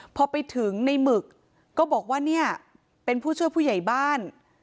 พอไปถึงในหมึกก็บอกว่าเนี่ยเป็นผู้ช่วยผู้ใหญ่บ้าน